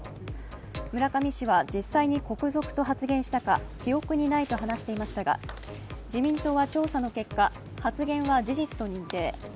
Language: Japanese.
村上市は実際に国賊と発言したか記憶にないと話していましたが自民党は調査の結果、発言は事実と認定。